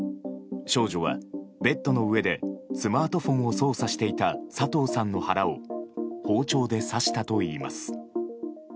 少女はベッドの上でスマートフォンを操作していた佐藤さんの腹を包丁で刺したといいます。